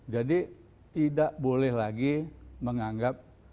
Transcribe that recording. jadi tidak boleh lagi menganggap